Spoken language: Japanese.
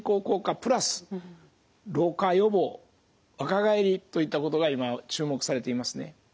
プラス老化予防若返りといったことが今注目されていますね。